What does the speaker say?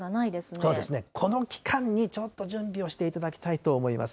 そうですね、この期間にちょっと準備をしていただきたいと思います。